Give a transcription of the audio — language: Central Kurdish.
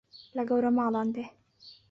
لە گەورە ماڵان دێ